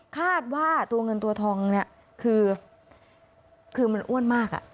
คาดว่าตัวเงินตัวทองเนี่ยคือมันอ้วนมาก